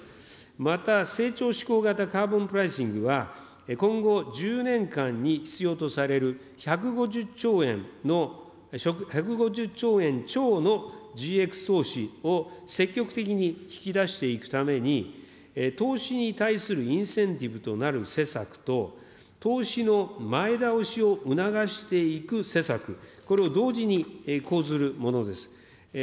また成長志向型カーボンプライシングは今後１０年間に必要とされる１５０兆円の、１５０兆円超のＧＸを積極的に引き出していくために、投資に対するインセンティブとなる施策と投資の前倒しを促していく施策、これを同時に講ずるものです。